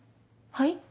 はい？